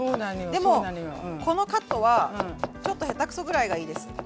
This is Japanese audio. でもこのカットはちょっと下手くそぐらいがいいです。